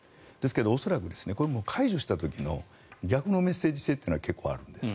でも恐らく、解除した時の逆のメッセージ性というのは結構あるんです。